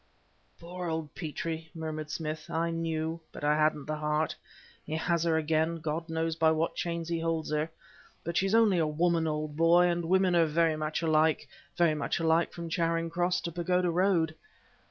"Poor old Petrie," murmured Smith "I knew, but I hadn't the heart He has her again God knows by what chains he holds her. But she's only a woman, old boy, and women are very much alike very much alike from Charing Cross to Pagoda Road."